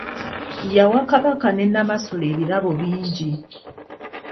Yawa Kabaka ne Nnamasole ebirabo bingi.